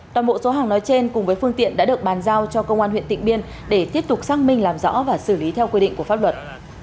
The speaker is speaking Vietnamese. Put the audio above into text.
toàn bộ số hàng nói trên cùng với phương tiện đã được bàn giao cho công an huyện tịnh biên để tiếp tục xác minh làm rõ và xử lý theo quy định của pháp luật